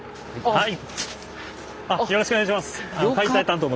はい。